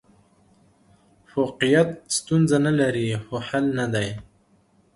فوقیت ستونزه نه لري، خو حل نه دی.